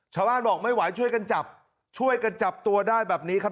ชาวบ้านบอกไม่ไหวช่วยกันจับช่วยกันจับตัวได้แบบนี้ครับ